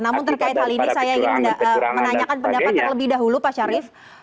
namun terkait hal ini saya ingin menanyakan pendapat terlebih dahulu pak syarif